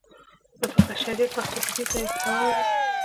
د فقه شریعت پښتو په دې ځای کې تمامه ده.